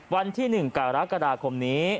วันที่๑กรกฎาคมนี้